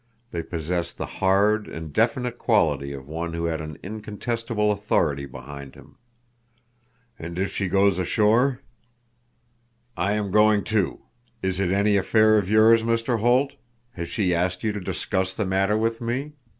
They possessed the hard and definite quality of one who had an incontestable authority behind him. "And if she goes ashore?" "I am going too. Is it any affair of yours, Mr. Holt? Has she asked you to discuss the matter with me?